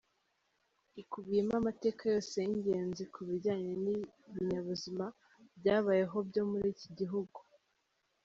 Ikubiyemo amateka yose y’ingenzi ku bijyanye n’ibinyabuzima byabayeho byo muri iki gihugu.